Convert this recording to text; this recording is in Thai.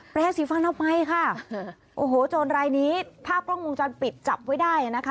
สีฟันเอาไปค่ะโอ้โหโจรรายนี้ภาพกล้องวงจรปิดจับไว้ได้นะคะ